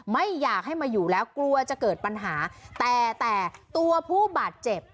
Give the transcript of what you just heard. ไม่อยากให้มาอยู่แล้วกลัวจะเกิดปัญหาแต่แต่ตัวผู้บาดเจ็บ